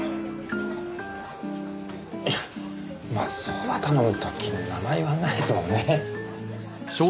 いやまあそば頼む時に名前言わないですもんね。